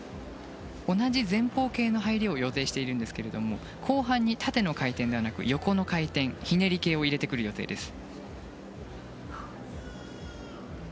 同じ前方系の入りを予定していますが後半に縦の回転ではなく横の回転、ひねり系を入れてくる予定です。